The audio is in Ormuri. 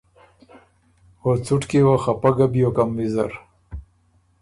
او څُټ کی وه خَپۀ ګۀ بیوکم ویزر